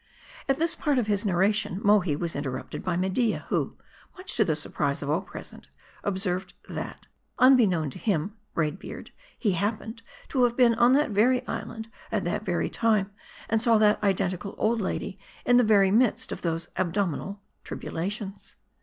At this part of his narration, Mohi was interrupted by Media ; who, much to the surprise of all present, observed, that, unbeknown to him (Braid JBeard), he happened to have been on that very island, at that very time, and saw that identical old lady in the very midst of those abdominal trib ulations.